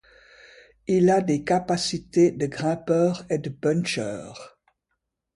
Il a des capacités de grimpeur et de puncheur.